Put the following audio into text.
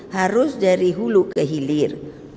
harus dari hulu ke hilir